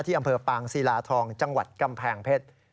อำเภอปางศิลาทองจังหวัดกำแพงเพชร